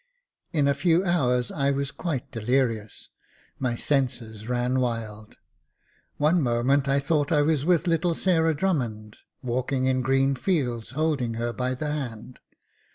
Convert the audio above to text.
In a few hours I was quite delirious — my senses ran wild. One moment I thought I was with little Sarah Drummond, walking in green fields, holding her by the hand.